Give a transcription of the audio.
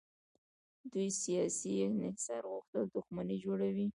د دوی سیاسي انحصار غوښتل دښمني جوړوي.